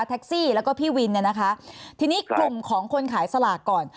แท็กซี่แล้วก็พี่วินนะคะทีนี้กลุ่มของคนขายสลากก่อน